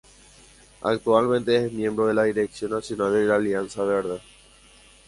Actualmente es miembro de la Dirección Nacional de la Alianza Verde.